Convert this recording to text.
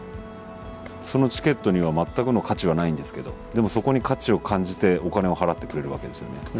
そのチケットには全くの価値はないんですけどでもそこに価値を感じてお金を払ってくれるわけですよね。